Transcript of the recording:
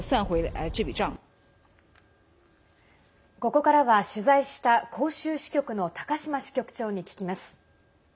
ここからは取材した広州支局の高島支局長に聞きます。